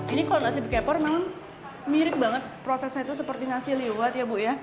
ini kalau nasi bekepor memang mirip banget prosesnya itu seperti nasi liwet ya bu ya